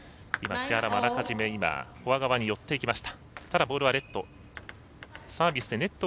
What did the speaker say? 木原、あらかじめフォア側に寄っていきました。